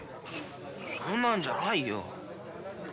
そんなんじゃないよ。